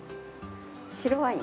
白ワイン。